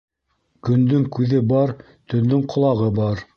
Көндөң күҙе бар, төндөң ҡолағы бар.